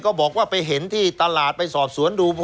บอกว่าไปเห็นที่ตลาดไปสอบสวนดู